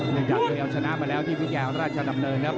นี่ครับเดี๋ยวเอาชนะมาแล้วที่วิทยาลัยราชดำเนินนะครับ